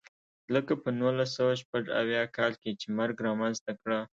لکه په نولس سوه شپږ اویا کال کې چې مرګ رامنځته کړه.